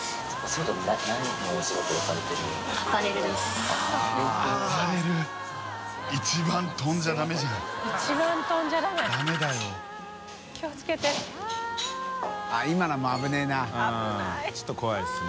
うんちょっと怖いですね。